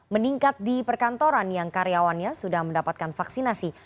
meningkat di perkantoran yang karyawannya sudah mendapatkan vaksinasi